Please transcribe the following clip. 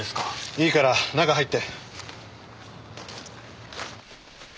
いいから中入って。